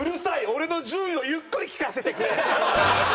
俺の１０位をゆっくり聞かせてくれ！